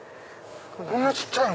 こんな小っちゃいの？